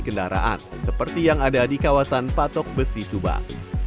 kendaraan seperti yang ada di kawasan patok besi subang